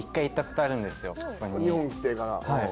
日本来てから。